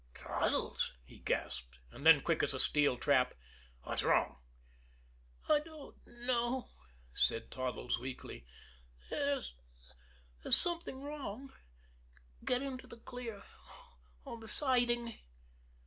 "Toddles!" he gasped; and then, quick as a steel trap: "What's wrong?" "I don't know," said Toddles weakly. "There's there's something wrong. Get into the clear on the siding."